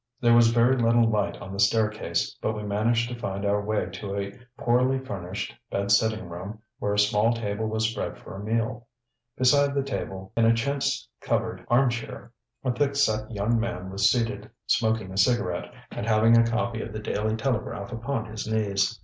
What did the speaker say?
There was very little light on the staircase, but we managed to find our way to a poorly furnished bed sitting room where a small table was spread for a meal. Beside the table, in a chintz covered arm chair, a thick set young man was seated smoking a cigarette and having a copy of the Daily Telegraph upon his knees.